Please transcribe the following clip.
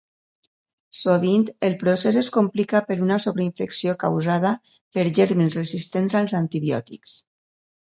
Sovint, el procés es complica per una sobreinfecció causada per gèrmens resistents als antibiòtics.